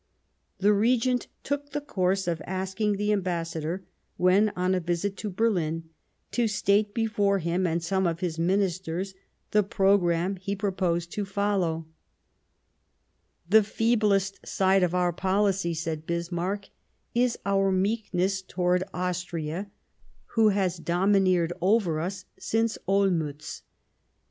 The Regent took the course of asking the Am bassador, when on a visit to Berlin, to state before him and some of his Ministers the programme he proposed to follow. " The feeblest side of our policy," said Bismarck, 50 The First Passage of Arms is our meekness towards Austria, who has domi A Pr««,,«,™ > neered over us since Olmiitz. ...